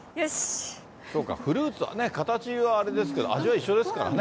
そうか、フルーツはね、形はあれですけど、味は一緒ですからね。